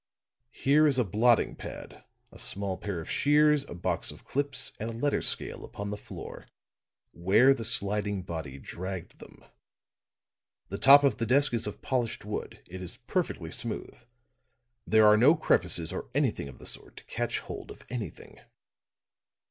Here is a blotting pad, a small pair of shears, a box of clips and a letter scale upon the floor where the sliding body dragged them. The top of the desk is of polished wood; it is perfectly smooth; there are no crevices or anything of the sort to catch hold of anything.